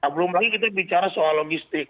belum lagi kita bicara soal logistik